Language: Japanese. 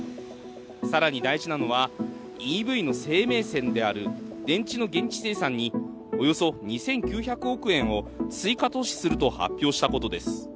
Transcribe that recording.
更に大事なのはＥＶの生命線である電池の現地生産におよそ２９００億円を追加投資すると発表したことです。